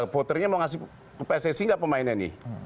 voternya mau kasih pssi enggak pemainnya ini